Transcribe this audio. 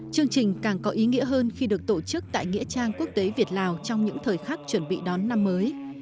chương trình càng có ý nghĩa hơn khi được tổ chức tại nghĩa trang quốc tế việt lào trong những thời khắc chuẩn bị đón năm mới